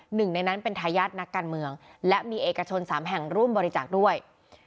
หนึ่งในนั้นเป็นทายาทนักการเมืองและมีเอกชน๓แห่งร่วมบริจาคด้วย